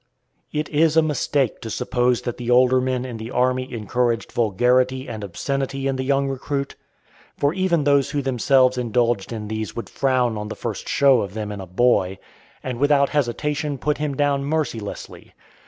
It is a mistake to suppose that the older men in the army encouraged vulgarity and obscenity in the young recruit; for even those who themselves indulged in these would frown on the first show of them in a boy, and without hesitation put him down mercilessly.